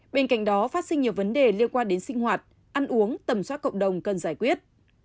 bên cạnh đó phát sinh nhiều vấn đề liên quan đến sinh hoạt ăn uống tầm soát cộng đồng cần giải quyết